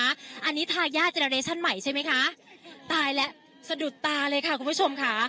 อันนี้ทายาทเรชั่นใหม่ใช่ไหมคะตายแล้วสะดุดตาเลยค่ะคุณผู้ชมค่ะ